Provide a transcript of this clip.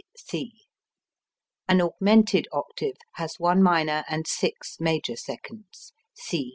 C C. An augmented octave has one minor and six major seconds.